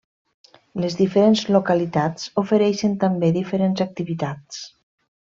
Les diferents localitats ofereixen també diferents activitats.